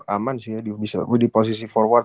aman sih ya di posisi forward